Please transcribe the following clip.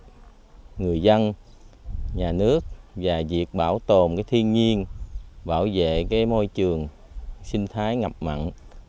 nhiều người người dân nhà nước và việc bảo tồn thiên nhiên bảo vệ môi trường sinh thái ngập mặn